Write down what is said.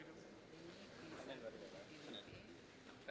kalau boleh sih sama mas